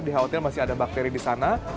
di hotel masih ada bakteri di sana